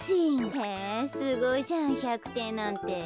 へえすごいじゃん１００てんなんて。